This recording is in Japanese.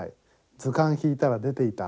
図鑑引いたら出ていた。